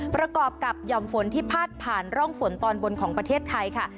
ประกอบกับหย่อมฝนที่พาดผ่านร่องฝนตอนบนของประเทศไทยค่ะ